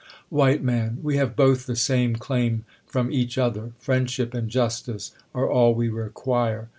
W. Man. We have both the same claim from each other ; friendship and justice are all we require.